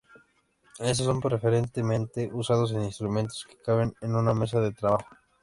Estos son preferentemente usados en instrumentos que caben en una mesa de trabajo.